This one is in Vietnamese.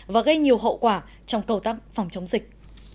và gây nhiều hậu quả trong cầu tắc phòng chống dịch